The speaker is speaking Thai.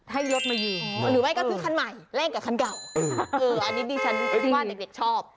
ให้รถมายิงหรือไม่ก็ซื้อคันใหม่เล่นกับคันเก่าอันนี้ดิฉันคิดว่าเด็กชอบ